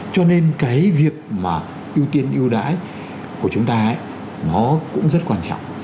cho nên cái việc mà ưu tiên ưu đãi của chúng ta ấy nó cũng rất quan trọng